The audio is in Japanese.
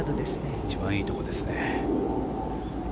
一番いいところですね。